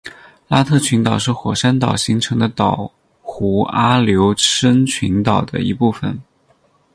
拉特群岛是火山岛形成的岛弧阿留申群岛的一部分。